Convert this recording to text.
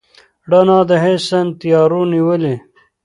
رڼا د حسن یې تیارو نیولې